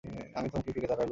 আমি থমকে ফিরে দাঁড়ালুম।